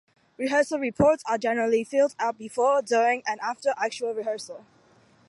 Rehearsal reports are generally filled out before, during and after the actual rehearsal.